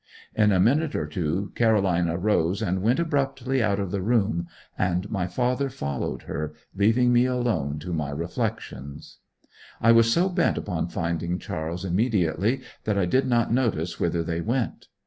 In a minute or two Caroline arose and went abruptly out of the room, and my father followed her, leaving me alone to my reflections. I was so bent upon finding Charles immediately that I did not notice whither they went.